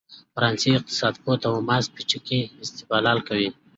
فرانسوي اقتصادپوه توماس پيکيټي استدلال کوي.